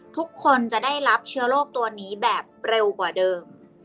ทุกคนจะได้รับเชื้อโรคตัวนี้แบบเร็วกว่าเดิม